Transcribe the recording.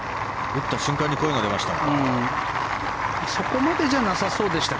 打った瞬間に声が出ました。